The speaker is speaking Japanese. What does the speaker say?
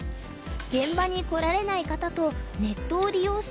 現場に来られない方とネットを利用して対局。